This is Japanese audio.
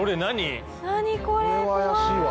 これは怪しいわ。